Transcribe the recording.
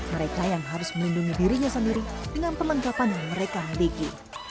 mereka yang harus melindungi dirinya sendiri dengan perlengkapan yang mereka miliki